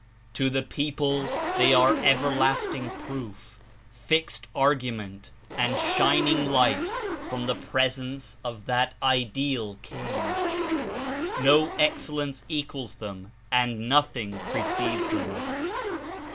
To the people they are everlasting proof, fixed argument, and shining light from the presence of that Ideal King. No excellence equals them and nothing precedes them.